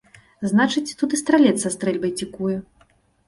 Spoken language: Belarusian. Значыць, тут і стралец са стрэльбай цікуе.